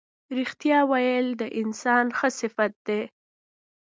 رښتیا ویل د انسان ښه صفت دی.